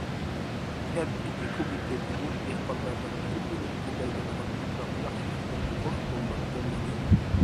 كەنت ئىككى كومىتېتىمۇ دېھقانلارنىڭ كىرىم يولىنى كۆپەيتىدىغان بۇنداق ياخشى ئىشنى قوش قوللاپ قوللىدى.